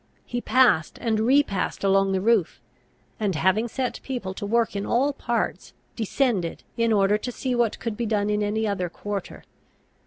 He passed and repassed along the roof; and, having set people to work in all parts, descended in order to see what could be done in any other quarter.